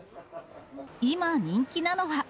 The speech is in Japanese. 今、人気なのは。